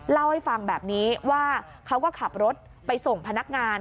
เล่าให้ฟังแบบนี้ว่าเขาก็ขับรถไปส่งพนักงาน